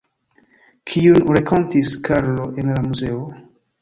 Kiun renkontis Karlo en la muzeo?